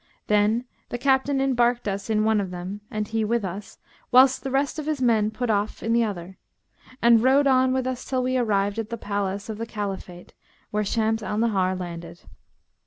Then the Captain embarked us in one of them (and he with us) whilst the rest of his men put off in the other, and rowed on with us till we arrived at the palace of the Caliphate where Shams al Nahar landed.